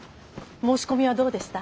申し込みはどうでした？